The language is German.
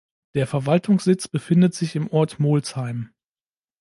Der Verwaltungssitz befindet sich im Ort Molsheim.